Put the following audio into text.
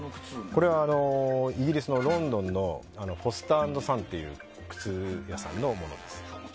これはイギリスのロンドンのフォスターアンドサンという靴屋さんのものです。